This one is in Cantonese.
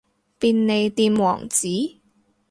便利店王子